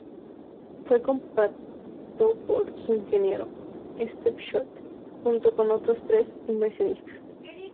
Fue comprado por su ingeniero, Stephen Short, junto con otros tres inversionistas.